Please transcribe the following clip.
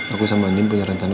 aku sama andin punya rencana